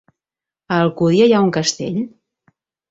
A Alcúdia hi ha un castell?